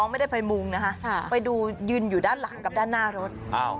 ไม่ได้ไปดูคุณแม่กับคุณน้องไปดูยืนอยู่ด้านหลังกับด้านหน้ารถ